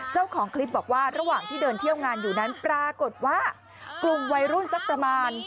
เจ้าของคลิปบอกว่าระหว่างที่เดินเที่ยวงานอยู่นั้นปรากฏว่ากลุ่มวัยรุ่นสักประมาณ